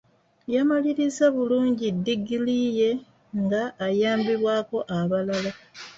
Yamalirizza bulungi ddigiri ye nga ayambibwako abalala.